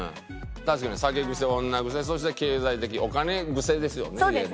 確かに酒癖女癖そして経済的お金癖ですよね言えば。